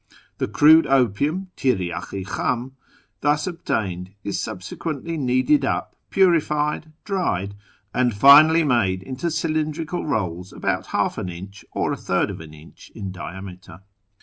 Tlie crude opium {tirydk i kltdm) thus obtained is subsequently kneaded u]), purified, dried, and finally made into cylindrical rolls about ^ inch or ^ inch in diameter.